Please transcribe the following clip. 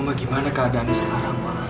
mama gimana keadaan ini sekarang